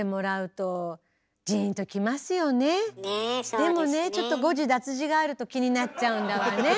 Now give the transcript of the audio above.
でもねちょっと誤字脱字があると気になっちゃうんだわね。